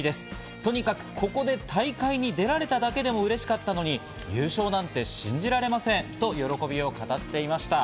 とにかく、ここで大会に出られただけでもうれしかったのに優勝なんて信じられませんと喜びを語っていました。